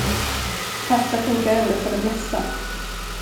Pasta funkar ändå för det mesta.